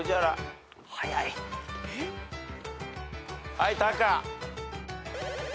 はいタカ。